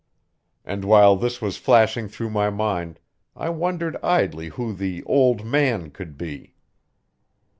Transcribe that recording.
And while this was flashing through my mind, I wondered idly who the "old man" could be.